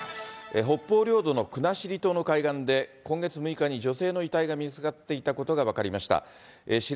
北方領土の国後島の海岸で、今月６日に女性の遺体が見つかっていたことが分かりました。